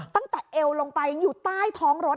ตั้งแต่เอวลงไปอยู่ใต้ท้องรถ